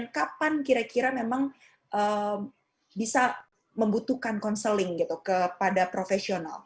kapan kira kira memang bisa membutuhkan counseling gitu kepada profesional